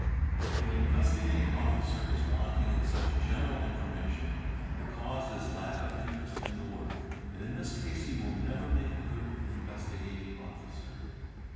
If an Investigating Officer is wanting in such general information, the cause is lack of interest in the work; and in this case he will never make a good Investigating Officer.